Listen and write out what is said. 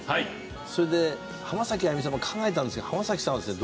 それで浜崎あゆみさんも考えたんですけど浜崎さんはですね